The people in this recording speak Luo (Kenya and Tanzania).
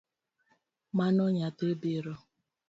Mano nyathi biro?